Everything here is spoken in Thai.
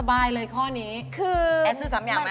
ถามอย่างแม่ซื้อ๓อย่างสิวะ